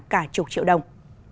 cả chục triệu đồng